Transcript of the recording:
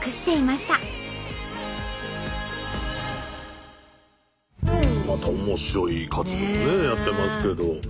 また面白い活動をねやってますけど。